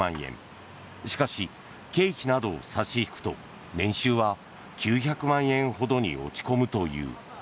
しかし、経費などを差し引くと年収は９００万円ほどに落ち込むという。